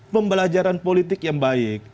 pembelajaran politik yang baik